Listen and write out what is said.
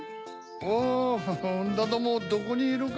あんだどもどこにいるか。